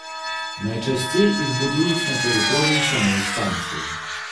Найчасцей іх будуюць на тэрыторыі самой станцыі.